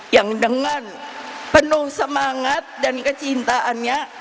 yang dengan penuh semangat dan kecintaannya